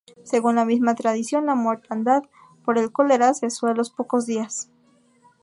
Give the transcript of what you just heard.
Según la misma tradición, la mortandad por el cólera cesó a los pocos días.